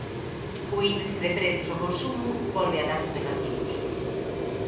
O Índice de Prezos ao Consumo volve a datos negativos.